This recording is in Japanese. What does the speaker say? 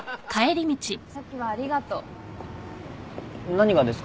何がですか？